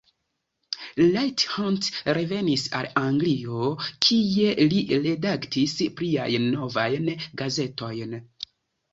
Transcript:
Leigh Hunt revenis al Anglio kie li redaktis pliajn novajn gazetojn.